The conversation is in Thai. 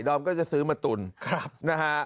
อมก็จะซื้อมาตุ๋นนะฮะ